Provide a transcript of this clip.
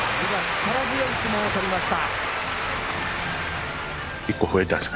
力強い相撲をとりました。